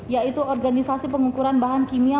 yaitu organisasi pengukuran bahan kimia